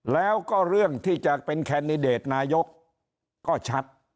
แล้วก็เรื่องที่จะเป็นแคนดิเดตนายกก็ชัด